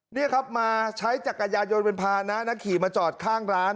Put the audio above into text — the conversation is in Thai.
นี่ครับมาใช้จักรยานยนเป็นภานะนะขี่มาจอดข้างร้าน